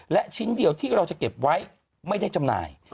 และชิ้นเดียวที่เราจะเก็บไว้ไม่ได้จำหน่าย